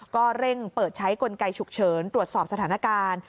ก็เร่งเปิดใช้กลไกฉุกเฉินตรวจสอบสถานการณ์